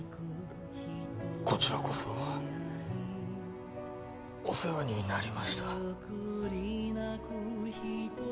こちらこそお世話になりました